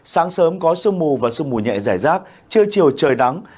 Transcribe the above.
sáng sớm có sương mù và sương mù nhẹ giải rác trưa chiều trời đắng